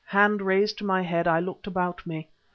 Hand raised to my head, I looked about me.